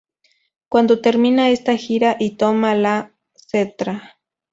Cuando termina esta gira y toma la Ctra.